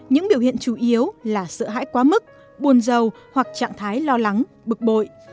những biểu hiện chủ yếu là sợ hãi quá mức buồn giàu hoặc trạng thái lo lắng bực bội